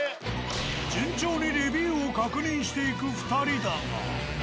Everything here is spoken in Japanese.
順調にレビューを確認していく２人だが。